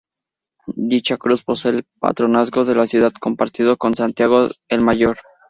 Dicha cruz posee el patronazgo de la ciudad compartido con Santiago el Mayor.